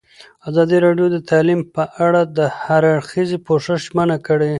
ازادي راډیو د تعلیم په اړه د هر اړخیز پوښښ ژمنه کړې.